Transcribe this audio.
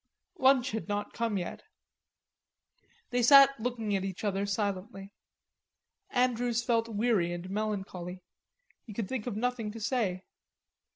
Lunch had not come yet. They sat looking at each other silently. Andrews felt weary and melancholy. He could think of nothing to say.